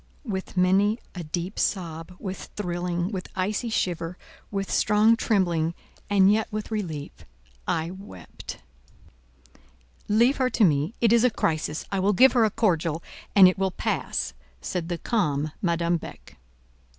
With many a deep sob, with thrilling, with icy shiver, with strong trembling, and yet with relief—I wept. "Leave her to me; it is a crisis: I will give her a cordial, and it will pass," said the calm Madame Beck.